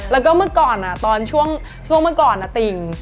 แล้วก็เมื่อก่อนตอนช่วงเมื่อก่อนติ่ง